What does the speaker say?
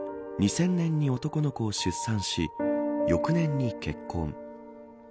２０００年に男の子を出産し翌年に結婚。